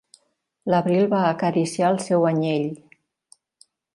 L'Abril va acariciar el seu anyell.